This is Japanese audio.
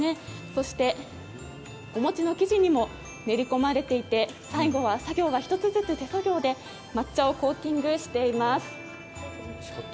そして、お餅の生地にも練り込まれていて、最後は作業は一つずつ手作業で抹茶をコーティングしています。